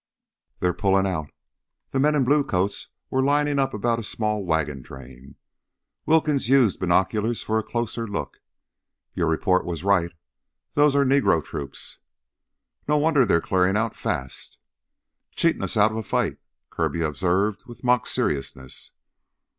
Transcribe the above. "They're pullin' out!" The men in blue coats were lining up about a small wagon train. Wilkins used binoculars for a closer look. "Your report was right; those are Negro troops!" "No wonder they're clearin' out fast." "Cheatin' us outta a fight," Kirby observed with mock seriousness.